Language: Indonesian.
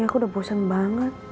aku udah bosan banget